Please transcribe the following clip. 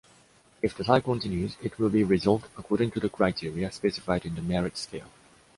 If the tie continues, it will be resolved according to the criteria specified in the merit scale.